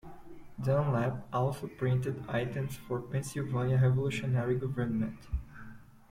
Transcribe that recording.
Dunlap also printed items for Pennsylvania's revolutionary government.